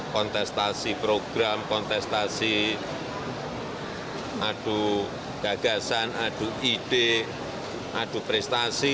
kontestasi program kontestasi adu gagasan adu ide adu prestasi